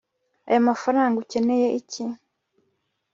aya mafaranga ukeneye iki